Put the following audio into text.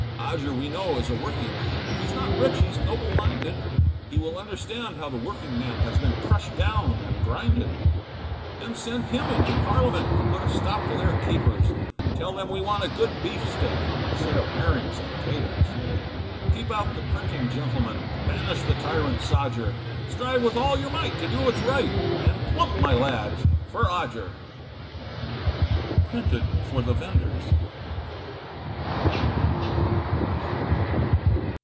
Odger we know is a working man, If he's not rich, he's noble minded, He will understand how the working man Has been crushed down and grinded. Then send him into Parliament, To put a stop to their capers, And tell them we want a good beef steak, Instead of herrings and taters. Keep out the printing gentleman, Banish the tyrant sodger, Strive with all your might to do what's right, And plump my lads for Odger. Printed for the Vendors.